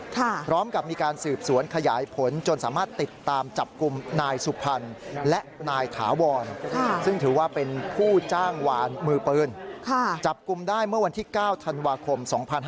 ได้เมื่อวันที่๙ธานวาคม๒๕๖๓